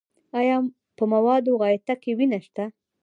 ایا په موادو غایطه کې وینه شته؟